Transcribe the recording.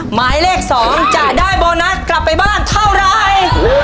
หมายเลข๒จะได้โบนัสกลับไปบ้านเท่าไร